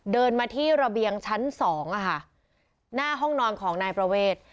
เดินมาที่ระเบียงชั้นสองอ่ะค่ะหน้าห้องนอนของนายประเวท